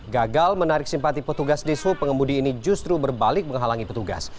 gagal menarik simpati petugas di sub pengemudi ini justru berbalik menghalangi petugas